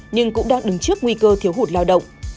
nhưng cũng đang đứng trước nguy cơ thiếu hụt lao động